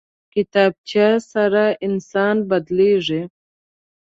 کتابچه سره انسان بدلېږي